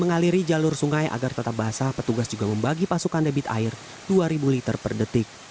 mengaliri jalur sungai agar tetap basah petugas juga membagi pasokan debit air dua ribu liter per detik